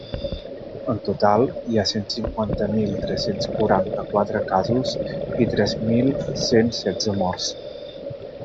En total, hi ha cent cinquanta-cinc mil tres-cents quaranta-quatre casos i tres mil cent setze morts.